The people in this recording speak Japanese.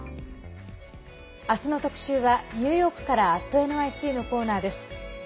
明日の特集はニューヨークから「＠ｎｙｃ」のコーナーです。